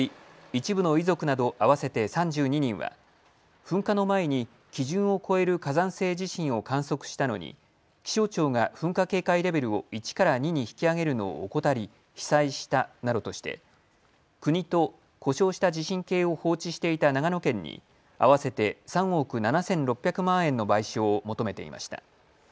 一部の遺族など合わせて３２人は噴火の前に基準を超える火山性地震を観測したのに気象庁が噴火警戒レベルを１から２にに引き上げるのを怠り被災したなどとして国と故障した地震計を放置していた長野県に合わせて３億７６００万円の賠償を求めていました。